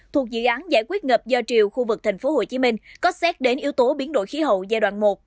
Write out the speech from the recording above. thuộc dự án giải quyết ngập do triều khu vực tp hcm có xét đến yếu tố biến đổi khí hậu giai đoạn một